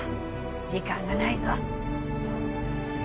時間がないぞ。